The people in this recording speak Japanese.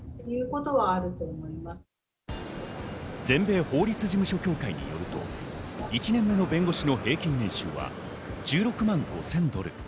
全米法律事務所協会によると、１年目の弁護士の平均年収は１６万５０００ドル。